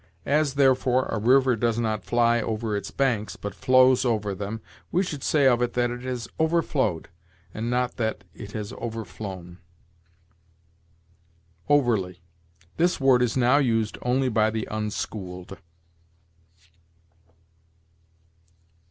As, therefore, a river does not fly over its banks, but flows over them, we should say of it that it has over_flowed_, and not that it has over_flown_. OVERLY. This word is now used only by the unschooled.